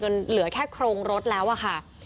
เหลือแค่โครงรถแล้วอะค่ะ